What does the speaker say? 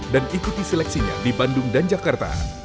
dan ikuti seleksinya di bandung dan jakarta